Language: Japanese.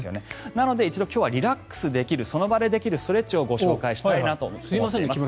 なので今日は、リラックスできるその場でできるストレッチをご紹介したいと思います。